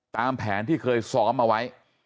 ตามแผนที่เคยซ้อมเอาไว้